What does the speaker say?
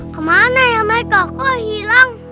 kemana ya mereka kok hilang